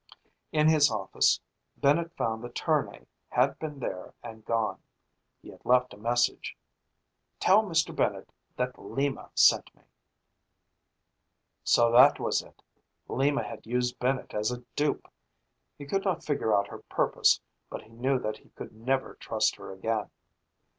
In his office, Bennett found that Tournay had been there and gone. He had left a message: "Tell Mr. Bennett that Lima sent me!" So that was it Lima had used Bennett as a dupe! He could not figure out her purpose, but he knew that he could never trust her again.